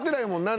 何？